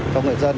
cho người dân